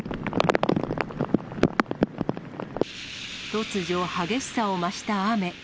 突如、激しさを増した雨。